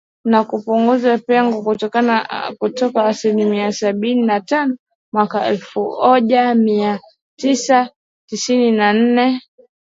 Na kupunguza pengo kutoka asilimia sabini na tano mwaka elfu oja mia tisa tisini na nne, hadi asilimia kumi na saba mwishoni mwa kipindi hicho.